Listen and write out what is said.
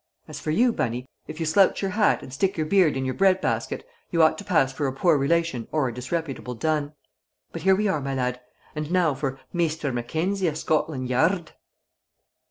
As for you, Bunny, if you slouch your hat and stick your beard in your bread basket, you ought to pass for a poor relation or a disreputable dun. But here we are, my lad, and now for Meester Mackenzie o' Scoteland Yarrd!"